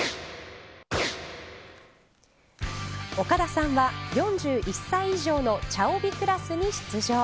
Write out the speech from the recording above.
岡田さんは４１歳以上の茶帯クラスに出場。